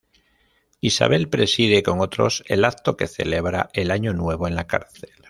Isabel preside con otros el acto que celebra el año nuevo en la cárcel.